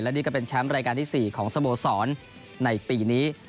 นี่ก็เป็นแชมป์รายการที่๔ของสโมสรในปีนี้